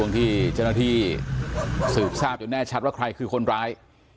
ที่เจ้าหน้าที่สืบทราบจนแน่ชัดว่าใครคือคนร้าย